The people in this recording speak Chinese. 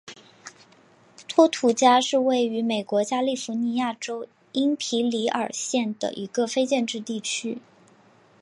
托图加是位于美国加利福尼亚州因皮里尔县的一个非建制地区。